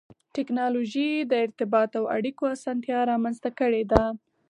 ټکنالوجي د ارتباط او اړیکو اسانتیا رامنځته کړې ده.